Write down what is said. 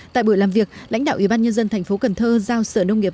tại buổi làm việc lãnh đạo ủy ban nhân dân thành phố cần thơ giao sở nông nghiệp